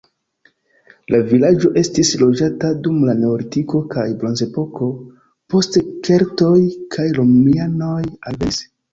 La vilaĝo estis loĝata dum la neolitiko kaj bronzepoko, poste keltoj kaj romianoj alvenis.